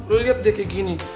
lo lihat dia kayak gini